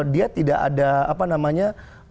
dia tidak ada apa namanya